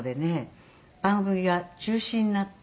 番組が中止になって。